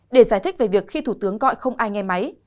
để giải thích về việc khi thủ tướng gọi không ai nghe máy